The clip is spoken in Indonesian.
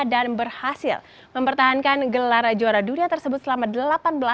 dan berhasil mempertahankan gelara juara dunia tersebut selama delapan belas kali